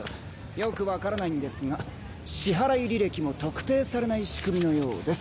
よく分からないんですが支払い履歴も特定されない仕組みのようです。